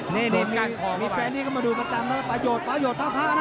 นี่มีแฟนนี่ก็มาดูประจำนะประโยชน์ประโยชน์ท้าพระนะ